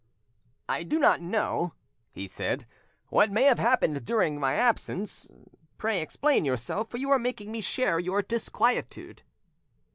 "I do not know," he said, "what may have happened during my absence; pray explain yourself, for you are making me share your disquietude."